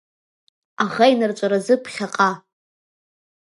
Аӷа инырҵәаразы ԥхьаҟа!